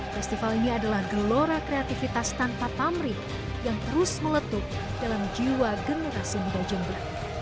festival ini adalah gelora kreativitas tanpa pamrih yang terus meletup dalam jiwa generasi muda jember